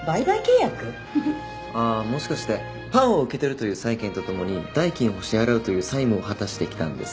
ああもしかしてパンを受け取るという債権とともに代金を支払うという債務を果たしてきたんですか？